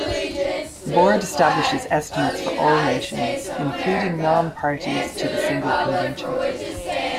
The Board establishes estimates for all nations, including non-Parties to the Single Convention.